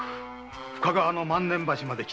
深川の万年橋まで来てくれ。